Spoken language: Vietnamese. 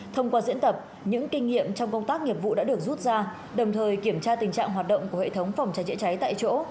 thông qua diễn tập những kinh nghiệm trong công tác nghiệp vụ đã được rút ra đồng thời kiểm tra tình trạng hoạt động của hệ thống phòng cháy chữa cháy tại chỗ